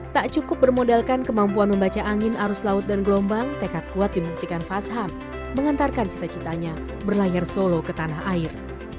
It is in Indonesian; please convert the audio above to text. tak cukup bermodalkan kemampuan membaca angin arus laut dan gelombang tekad kuat dimuktikan fasham mengantarkan cita citanya berlayar solo ke tanah air